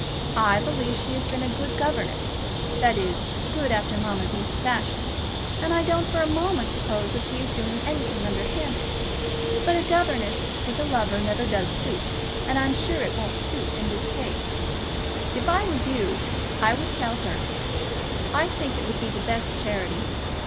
I believe she has been a good governess, that is, good after mamma's easy fashion; and I don't for a moment suppose that she is doing anything underhand. But a governess with a lover never does suit, and I'm sure it won't suit in this case. If I were you I would tell her. I think it would be the best charity.